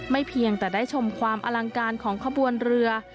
เพียงแต่ได้ชมความอลังการของขบวนเรือ